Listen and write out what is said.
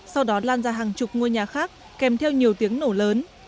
sau đó lan ra hàng chục ngôi nhà khác kèm theo nhiều tiếng nổ lớn